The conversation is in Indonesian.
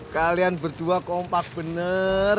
kalian berdua kompak bener